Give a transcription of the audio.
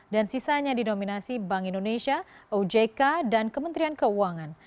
dan sisanya dinominasi bank indonesia ujk dan kementrian keuangan